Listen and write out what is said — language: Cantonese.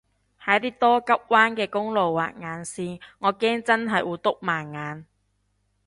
喺啲多急彎嘅公路畫眼線我驚真係會篤盲眼